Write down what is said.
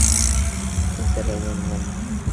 Está enterrado en Iona.